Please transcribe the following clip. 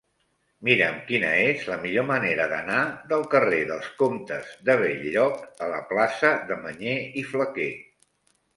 Mira'm quina és la millor manera d'anar del carrer dels Comtes de Bell-lloc a la plaça de Mañé i Flaquer.